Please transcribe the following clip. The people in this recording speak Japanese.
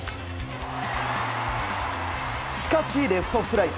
しかし、レフトフライ。